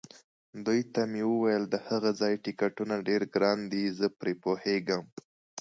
دوی ته مې وویل: د هغه ځای ټکټونه ډېر ګران دي، زه پرې پوهېږم.